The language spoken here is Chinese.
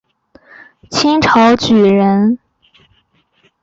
龚积柄是清朝举人。